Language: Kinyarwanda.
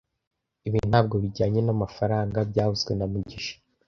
Ibi ntabwo bijyanye n'amafaranga byavuzwe na mugisha